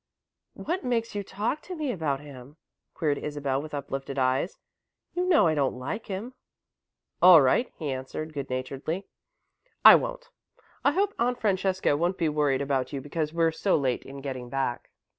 "What makes you talk to me about him?" queried Isabel, with uplifted eyes. "You know I don't like him." "All right," he answered, good naturedly. "I won't. I hope Aunt Francesca won't be worried about you because we're so late in getting back."